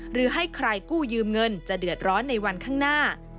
หรือให้ใครกู้ยืมเงินจะเดือดร้อนในวันข้างหน้า